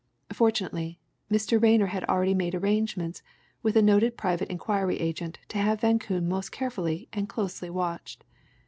Fortunately, Mr. Rayner had already made arrangements with a noted private inquiry agent to have Van Koon most carefully and closely watched.